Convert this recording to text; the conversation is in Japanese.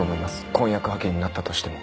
婚約破棄になったとしても。